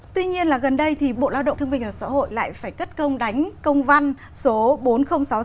tuy nhiên là gần đây thì bộ lao động thương minh và xã hội lại phải cất công đánh công văn số bốn nghìn sáu mươi sáu